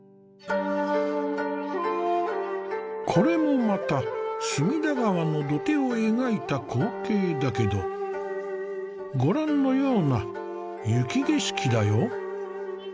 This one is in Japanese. これもまた隅田川の土手を描いた光景だけどご覧のような雪景色だよ。